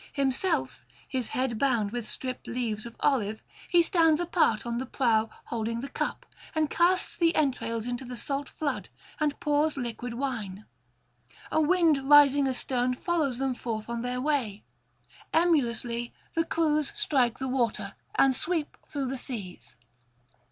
Himself, his head bound with stripped leaves of olive, he stands apart on the prow holding the cup, and casts the entrails into the salt flood and pours liquid wine. A wind rising astern follows them forth on their way. Emulously the crews strike the water, and sweep through the seas.